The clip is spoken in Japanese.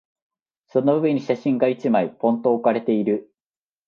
その上に写真が一枚、ぽんと置かれている。